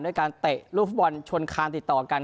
ด้วยการเตะลูกฟุตบอลชนคานติดต่อกัน